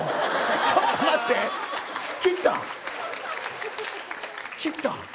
ちょっと待って、切った。